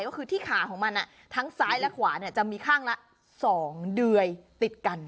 ก็คือที่ขาของมันทั้งซ้ายและขวาจะมีข้างละ๒เดื่อยติดกัน